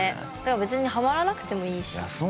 別にハマらなくてもいいし。